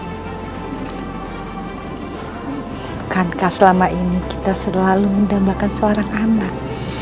bukankah selama ini kita selalu mendambakan seorang anak